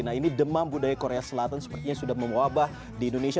nah ini demam budaya korea selatan sepertinya sudah mewabah di indonesia